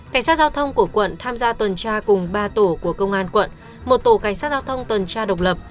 cảnh sát giao thông của quận tham gia tuần tra cùng ba tổ của công an quận một tổ cảnh sát giao thông tuần tra độc lập